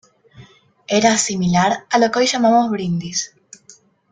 Era similar a lo que hoy llamamos brindis.